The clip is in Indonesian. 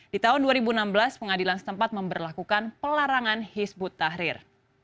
di tahun dua ribu enam belas pengadilan setempat memperlakukan pelarangan hizbut tahrir